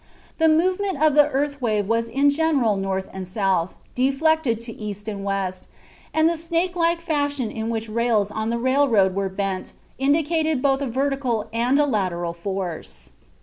The movement of the earth wave was in general north and south, deflected to east and west, and the snake like fashion in which rails on the railroad were bent indicated both a vertical and a lateral force.